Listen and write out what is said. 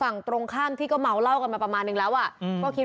ไอ้ไอ้ไอ้ไอ้ไอ้ไอ้ไอ้ไอ้ไอ้